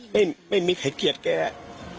ไม่มีไม่มีใครเกียรติแกแหละ